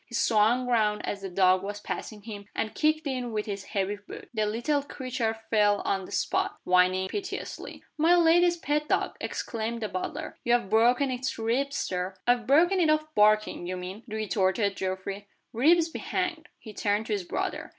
He swung round as the dog was passing him, and kicked it with his heavy boot. The little creature fell on the spot, whining piteously. "My lady's pet dog!" exclaimed the butler. "You've broken its ribs, Sir." "I've broken it of barking, you mean," retorted Geoffrey. "Ribs be hanged!" He turned to his brother.